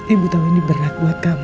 ibu tahu ini berat buat kamu